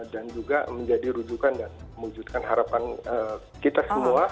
dan juga menjadi rujukan dan mewujudkan harapan kita semua